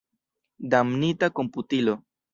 Damnita komputilo!